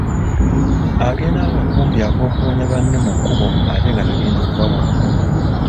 Agenda nga kumpi akokoonya banne mu kkubo ate nga tagenda kubawaako.